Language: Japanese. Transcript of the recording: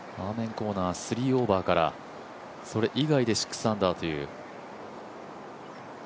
コーナー３オーバーから、それ以外で６アンダーという。